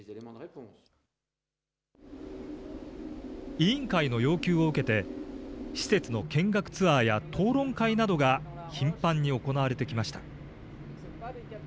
委員会の要求を受けて、施設の見学ツアーや討論会などが頻繁に行われてきました。